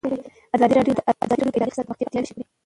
ازادي راډیو د اداري فساد د پراختیا اړتیاوې تشریح کړي.